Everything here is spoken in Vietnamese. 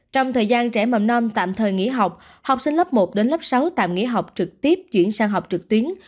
trong thời gian trẻ mầm non tạm thời nghỉ học học sinh lớp một đến lớp sáu tạm nghỉ học trực tiếp chuyển sang học trực tuyến